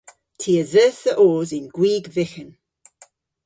Ty a dheuth dhe oos yn gwig vyghan.